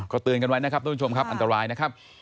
ก็ตื่นกันไว้นะครับทุกท่านผู้ชมอันตรายนะครับ